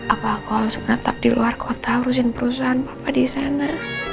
apa aku harus menetap di luar kota urusin perusahaan papa di sana